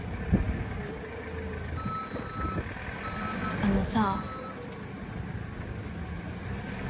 あのさ。